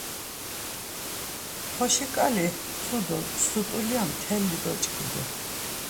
Xoşiǩali mtu do msut̆ulya mteli doç̌ǩidu.